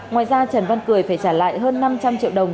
ngoài ra trần văn cười phải trả lại hơn năm trăm linh triệu đồng